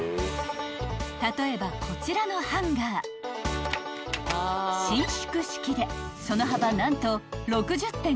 ［例えばこちらのハンガー伸縮式でその幅何と］